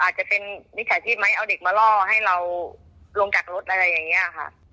อาจจะเป็นมิจฉาชีพไหมเอาเด็กมาล่อให้เราลงจากรถอะไรอย่างนี้ค่ะ